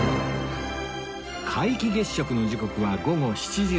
皆既月食の時刻は午後７時過ぎ